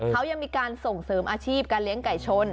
เขายังมีการส่งเสริมอาชีพการเลี้ยงไก่ชน